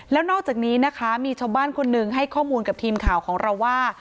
แล้วนอกจากนี้นะคะมีชาวบ้านคนหนึ่งให้ข้อมูลกับทีมข่าวของเราว่า